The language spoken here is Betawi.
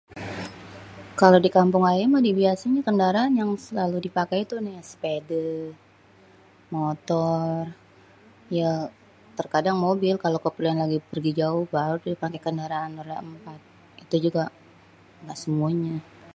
kalo di kampung ayé mah dibiasanya kendaraan yang selalu dipaké tu ya sepedé, motor.. ya terkadang mobil kalo keperluan lagi jauh baru déh paké kendaraan roda émpat.. itu juga ngga semuanyé..